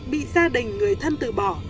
bị gia đình người thân từ bỏ